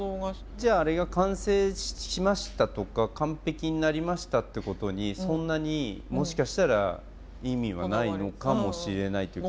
じゃああれが完成しましたとか完璧になりましたってことにそんなにもしかしたら意味はないのかもしれないというか。